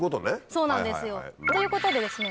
そうなんですよ。ということでですね